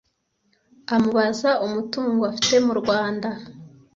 Amubaza umutungo afite mu Rwanda